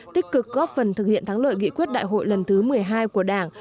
tích cực góp phần thực hiện thắng lợi nghị quyết đại hội lần thứ một mươi hai của đảng